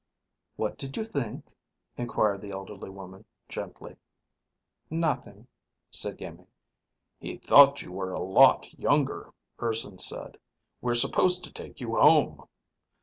"What did you think?" inquired the elderly woman, gently. "Nothing," said Iimmi. "He thought you were a lot younger," Urson said. "We're supposed to take you home."